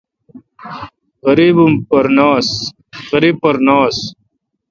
غریب ام پر نہ ہنس۔